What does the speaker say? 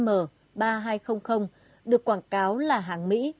m ba nghìn hai trăm linh được quảng cáo là hàng mỹ